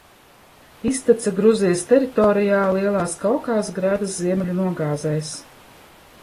Iztece Gruzijas teritorijā, Lielās Kaukāza grēdas ziemeļu nogāzēs.